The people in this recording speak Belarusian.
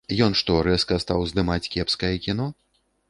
Ён што, рэзка стаў здымаць кепскае кіно?